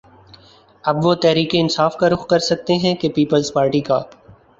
اب وہ تحریک انصاف کا رخ کر سکتے ہیں کہ پیپلز پارٹی کا